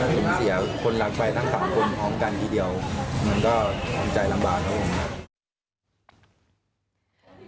ถึงเสียคนรักไปทั้ง๓คนออมกันทีเดียวมันก็มีใจลำบากนะครับ